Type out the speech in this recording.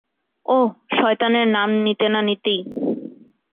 ওহ, শয়তানের নাম নিতে না নিতেই।